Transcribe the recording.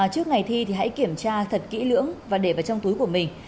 trước ngày thi thì hãy kiểm tra thật kỹ lưỡng và để vào trong túi của mình